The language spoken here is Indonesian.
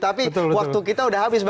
tapi waktu kita sudah habis